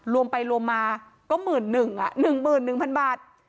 รวมไปรวมมาก็หมื่นหนึ่งอ่ะหนึ่งหมื่นหนึ่งพันบาท